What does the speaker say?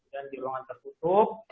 dan di ruangan tertutup